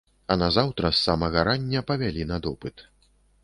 А назаўтра з самага рання павялі на допыт.